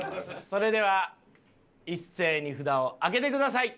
それでは一斉に札を上げてください。